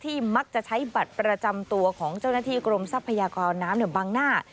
มักจะใช้บัตรประจำตัวของเจ้าหน้าที่กรมทรัพยากรน้ำบังหน้า